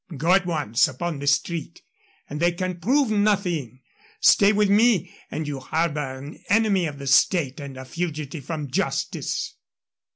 Go at once upon the street, and they can prove nothing; stay with me, and you harbor an enemy of the state and a fugitive from justice."